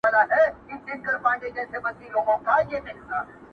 ستا د حُسن د الهام جام یې څښلی،